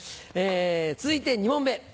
続いて２問目。